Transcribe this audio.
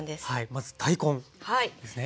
まず大根ですね。